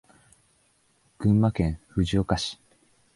群馬県藤岡市